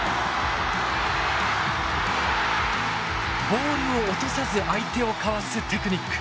ボールを落とさず相手をかわすテクニック。